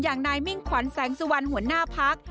อย่างนายมิ่งขวัญแสงสุวรรณหัวหน้าพัก